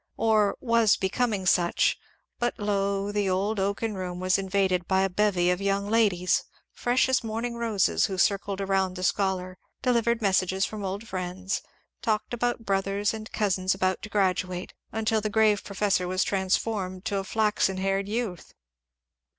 Or was becoming such — but lo ! the old oaken room was invaded by a bevy of young ladies, fresh as morning roses, who circled around the scholar, delivered messages from old friends, talked about brothers and cousins about to graduate, until the grave professor was transformed to a flaxen haired youth.